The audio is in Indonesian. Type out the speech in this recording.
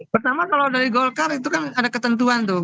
pertama kalau dari golkar itu kan ada ketentuan tuh